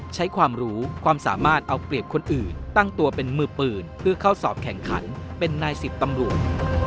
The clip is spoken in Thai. ใช้ความรู้ความสามารถเอาเปรียบคนอื่นตั้งตัวเป็นมือปืนเพื่อเข้าสอบแข่งขันเป็นนายสิบตำรวจ